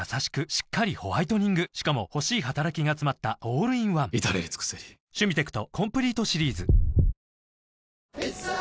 しっかりホワイトニングしかも欲しい働きがつまったオールインワン至れり尽せりこの「ビアボール」ってなに？